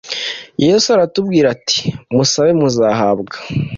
Yesu aratubwira ati, “Musabe, muzahabwa.” …